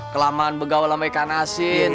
kelamaan bergaul sama ikan asin